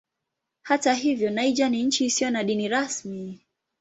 Hata hivyo Niger ni nchi isiyo na dini rasmi.